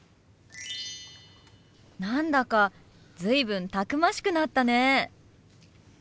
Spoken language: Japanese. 何だか随分たくましくなったね。